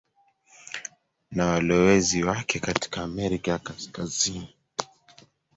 na walowezi wake katika Amerika ya Kaskazini